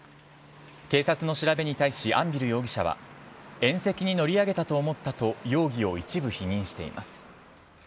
警察の調べに対し安蒜容疑者は縁石に乗り上げたと思ったと容疑を一部否認しています。